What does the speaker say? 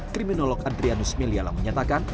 kriminolog adrianus meliala menyatakan